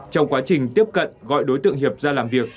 trong quá trình tiếp cận gọi đối tượng hiệp ra làm việc